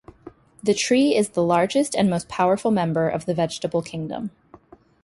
The tree is the largest and most powerful member of the vegetable kingdom.